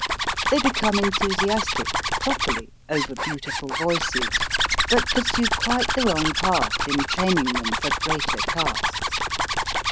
They become enthusiastic, properly, over beautiful voices, but pursue quite the wrong path in training them for greater tasks.